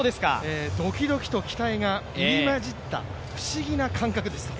ドキドキと期待が入り交じった不思議な感覚ですと。